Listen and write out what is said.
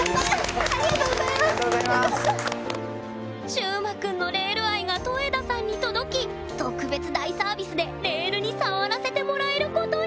しゅうまくんのレール愛が戸枝さんに届き特別大サービスでレールに触らせてもらえることに！